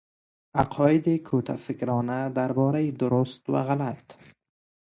عقاید کوتهفکرانه دربارهی درست و غلط